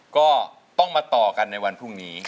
ก็ต้องมาต่อกันในวันพรุ่งนี้